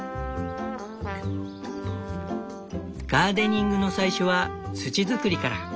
ガーデニングの最初は土づくりから。